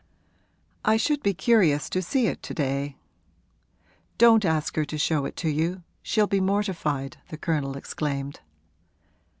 I should be curious to see it to day.' 'Don't ask her to show it to you she'll be mortified!' the Colonel exclaimed.